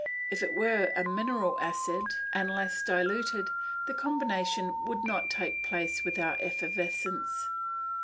If it were a mineral acid and less diluted, the combination would not take place without effervescence.